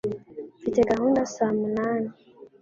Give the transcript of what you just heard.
Mfite gahunda saa munani.